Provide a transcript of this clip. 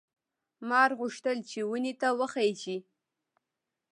مار غوښتل چې ونې ته وخېژي.